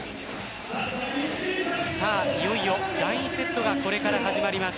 いよいよ第２セットがこれから始まります。